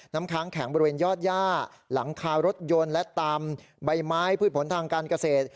ค้างแข็งบริเวณยอดย่าหลังคารถยนต์และตามใบไม้พืชผลทางการเกษตร